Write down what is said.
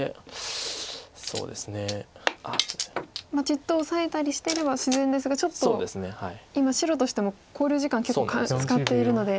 じっとオサえたりしてれば自然ですがちょっと今白としても考慮時間結構使っているので。